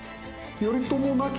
頼朝亡き